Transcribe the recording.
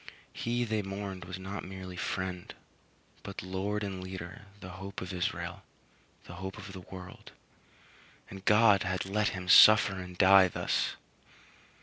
He they mourned was not merely friend, but Lord and Leader, the Hope of Israel; the hope of the world; and God had let him suffer and die thus!